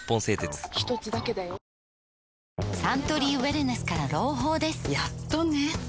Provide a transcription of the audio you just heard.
サントリーウエルネスから朗報ですやっとね